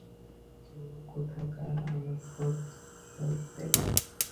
চোর কোথাকার, আমার ব্রোচ ফেরত দে।